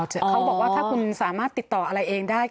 เขาบอกว่าถ้าคุณสามารถติดต่ออะไรเองได้